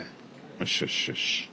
よしよしよし。